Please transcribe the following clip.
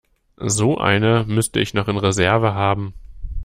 So eine müsste ich noch in Reserve haben.